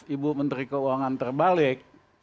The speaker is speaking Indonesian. ibu menteri keuangan terbalik